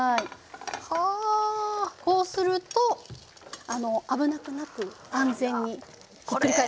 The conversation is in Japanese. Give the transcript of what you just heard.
こうするとあの危なくなく安全にひっくり返せます。